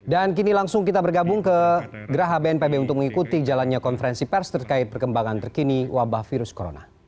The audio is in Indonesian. dan kini langsung kita bergabung ke gerah hbnpb untuk mengikuti jalannya konferensi pers terkait perkembangan terkini wabah virus corona